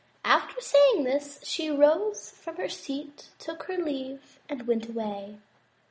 After saying this, she rose from her seat, took her leave and went her way.